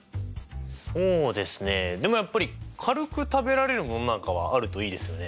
そうですねでもやっぱり軽く食べられるものなんかはあるといいですよね。